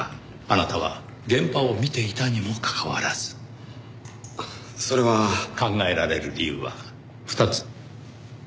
あなたは現場を見ていたにもかかわらず。それは。考えられる理由は２つ。